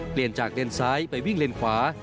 เปลี่ยนจากเลนซ้ายไปวิ่งเลนขวา